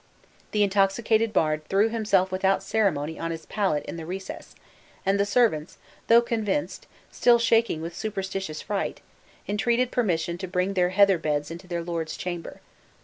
The intoxicated bard threw himself without ceremony on his pallet in the recess, and the servants, though convinced, still shaking with superstitious fright, entreated permission to bring their heather beds into their lord's chamber.